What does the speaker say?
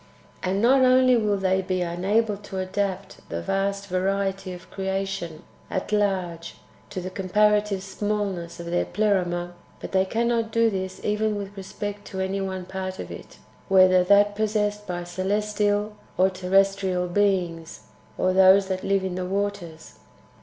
And not only will they be unable to adapt the [vast] variety of creation at large to the [comparative] smallness of their Pleroma, but they cannot do this even with respect to any one part of it, whether [that possessed by] celestial or terrestrial beings, or those that live in the waters.